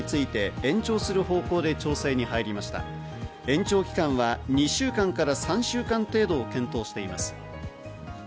延長期間は２週間から３週間程度を検討しています。